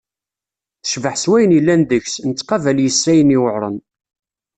Tecbeḥ s wayen yellan deg-s, nettqabel yes-s ayen yuɛren.